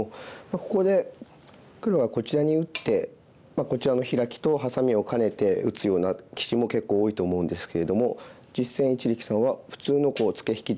ここで黒がこちらに打ってこちらのヒラキとハサミを兼ねて打つような棋士も結構多いと思うんですけれども実戦一力さんは普通のツケ引き定石を選びました。